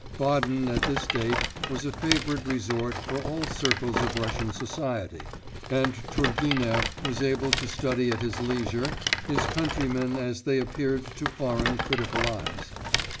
Baden at this date was a favourite resort for all circles of Russian society, and Turgenev was able to study at his leisure his countrymen as they appeared to foreign critical eyes.